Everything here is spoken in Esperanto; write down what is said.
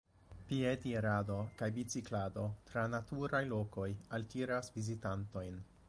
Piedirado kaj biciklado tra naturaj lokoj altiras vizitantojn.